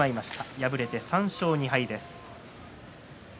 敗れて３勝２敗です。